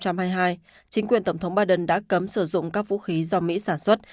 chính quyền tổng thống biden đã cấm sử dụng các vũ khí do mỹ sản xuất